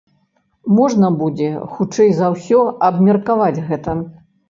Можна будзе, хутчэй за ўсё, абмеркаваць гэта.